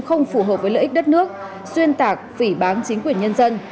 không phù hợp với lợi ích đất nước xuyên tạc phỉ bán chính quyền nhân dân